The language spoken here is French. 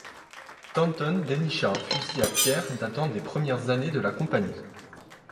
Thornton dénicha un fusil à pierre datant des premières années de la Compagnie.